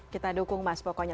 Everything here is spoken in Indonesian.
kita dukung mas pokoknya